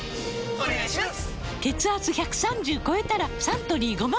お願いします。